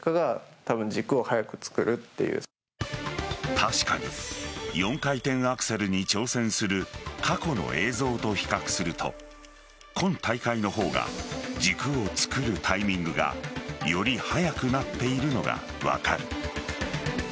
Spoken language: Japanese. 確かに４回転アクセルに挑戦する過去の映像と比較すると今大会の方が軸を作るタイミングがより速くなっているのか分かる。